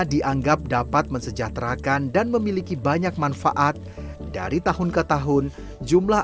dianggap dapat mensejahterakan dan memiliki banyak manfaat dari tahun ke tahun jumlah